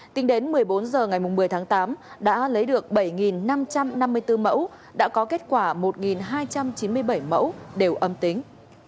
tính đến một mươi bốn h ngày một mươi tháng tám đã lấy được bảy năm trăm năm mươi bốn mẫu đã có kết quả một hai trăm chín mươi bảy mẫu đều âm tính